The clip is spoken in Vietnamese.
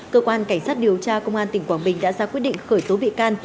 cơ quan cảnh sát điều tra công an tỉnh quảng bình đã ra quyết định khởi tố bị can